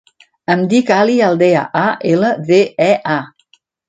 Em dic Ali Aldea: a, ela, de, e, a.